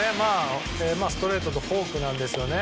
ストレートとフォークなんですよね。